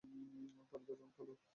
পারদের রং কালো?